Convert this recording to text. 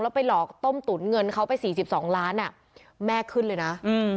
ไปหลอกต้มตุ๋นเงินเขาไปสี่สิบสองล้านอ่ะแม่ขึ้นเลยนะ